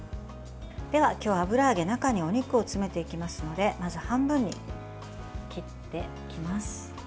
では今日、油揚げ中にお肉を詰めていきますのでまず半分に切っていきます。